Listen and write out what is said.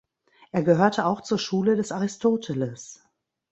Er gehörte auch zur Schule des Aristoteles.